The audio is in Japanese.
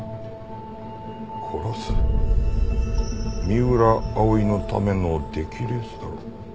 「三浦葵のための出来レースだろ」。